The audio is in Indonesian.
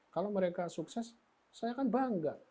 kalau mereka sukses saya kan bangga